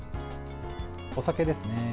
お酒ですね。